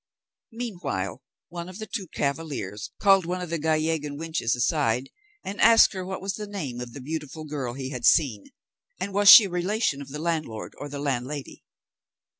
Meanwhile, one of the two cavaliers called one of the Gallegan wenches aside, and asked her what was the name of the beautiful girl he had seen, and was she a relation of the landlord or the landlady.